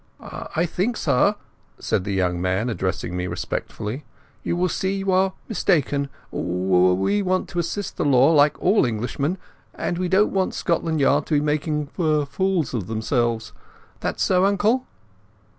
"I think, sir," said the young man, addressing me respectfully, "you will see you are mistaken. We want to assist the law like all Englishmen, and we don't want Scotland Yard to be making fools of themselves. That's so, uncle?"